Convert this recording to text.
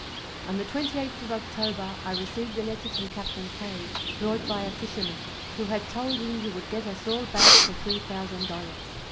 On the 28th of October, I received a letter from Captain Kay, brought by a fisherman, who had told him he would get us all back for three thousand dollars.